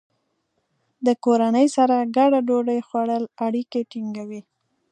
د کورنۍ سره ګډه ډوډۍ خوړل اړیکې ټینګوي.